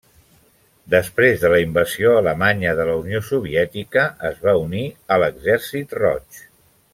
Després de la invasió alemanya de la Unió Soviètica es va unir a l'Exèrcit Roig.